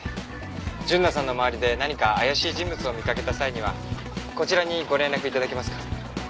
純奈さんの周りで何か怪しい人物を見かけた際にはこちらにご連絡頂けますか？